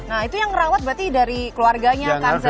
nah itu yang ngerawat berarti dari keluarganya kanzanya sudah besar gitu